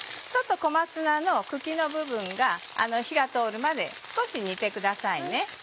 ちょっと小松菜の茎の部分が火が通るまで少し煮てください。